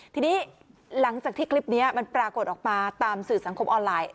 ทีนี้หลังจากที่คลิปนี้มันปรากฏออกมาตามสื่อสังคมออนไลน์